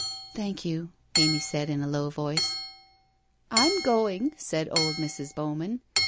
' Thank you/ Amy said in a low voice. i I'm going/ said old Mrs. Bowman.